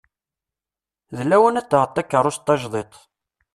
D lawan ad d-taɣeḍ takerrus tajdiṭ.